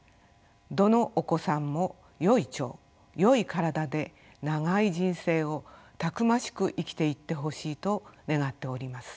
どのお子さんもよい腸よい体で長い人生をたくましく生きていってほしいと願っております。